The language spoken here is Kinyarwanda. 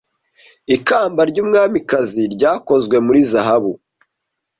Ikamba ry'umwamikazi ryakozwe muri zahabu.